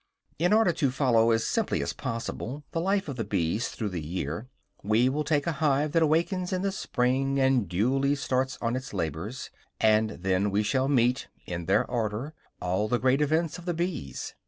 In order to follow, as simply as possible, the life of the bees through the year, we will take a hive that awakes in the Spring and duly starts on its labors; and then we shall meet, in their order, all the great events of the bees.